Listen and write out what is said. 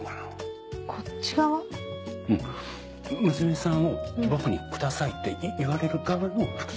娘さんを僕に下さいって言われる側の服装。